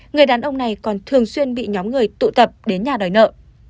người đàn ông này còn thường xuyên bị nhóm người tụ tập đến nhà đòi nợ